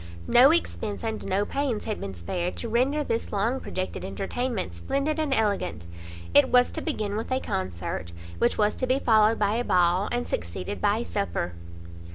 No expence and no pains had been spared to render this long projected entertainment splendid and elegant; it was to begin with a concert, which was to be followed by a ball, and succeeded by a supper.